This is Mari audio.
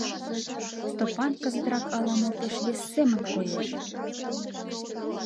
Стопан кызытрак ала-мо пеш вес семын коеш.